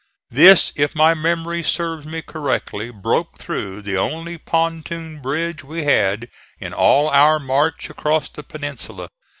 This, if my memory serves me correctly, broke through the only pontoon bridge we had in all our march across the peninsula.